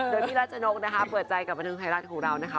โดยพี่รัชนกนะคะเปิดใจกับบันเทิงไทยรัฐของเรานะคะ